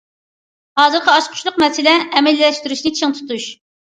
ھازىرقى ئاچقۇچلۇق مەسىلە ئەمەلىيلەشتۈرۈشنى چىڭ تۇتۇش.